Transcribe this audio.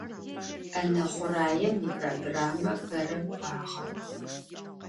Ӏэнэ хъураем ипрограммэ бэрэ кӏуагъэ.